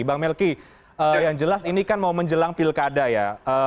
bang melki yang jelas ini kan mau menjelang pilkada ya